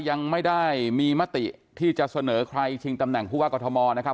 ยังไม่ได้มีมติที่จะเสนอใครชิงตำแหน่งผู้ว่ากรทมนะครับ